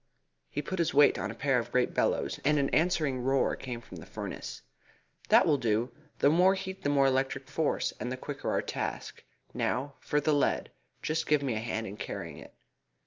He put his weight on a pair of great bellows, and an answering roar came from the furnace. "That will do. The more heat the more electric force, and the quicker our task. Now for the lead! Just give me a hand in carrying it."